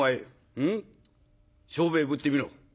うん商売ぶってみろ」。